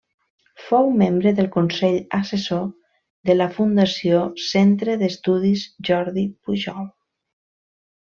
Fou membre del consell assessor de la Fundació Centre d'Estudis Jordi Pujol.